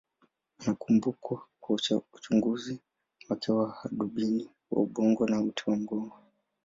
Anakumbukwa kwa uchunguzi wake wa hadubini wa ubongo na uti wa mgongo.